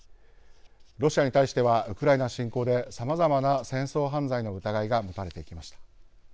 ロシアに対してはウクライナ侵攻でさまざまな戦争犯罪の疑いが持たれてきました。